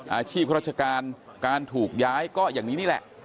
ข้าราชการการถูกย้ายก็อย่างนี้นี่แหละ